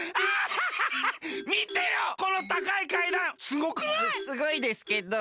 すごいですけど。